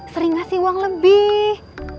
sering ngasih uang lebih